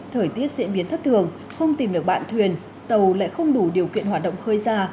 thời tiết diễn biến thất thường không tìm được bạn thuyền tàu lại không đủ điều kiện hoạt động khơi ra